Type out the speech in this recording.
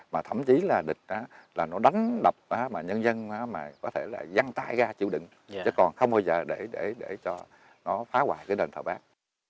mà thậm chí là địch nó đánh đập mà nhân dân có thể là dăng tay ra chịu đựng chứ còn không bao giờ để cho nó phá hoại cái đền thờ bắc